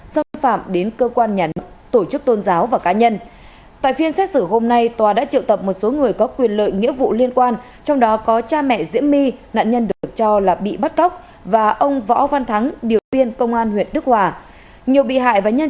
xâm phạm đến cơ quan nhà nước tổ chức tôn giáo và cá nhân